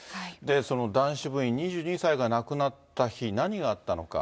その男子部員２２歳が亡くなった日、何があったのか。